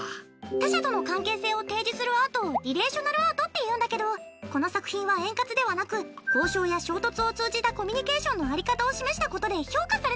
他者との関係性を提示するアートをリレーショナル・アートっていうんだけどこの作品は円滑ではなく交渉や衝突を通じたコミュニケーションのあり方を示したことで評価されたの。